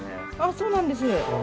そうなんです。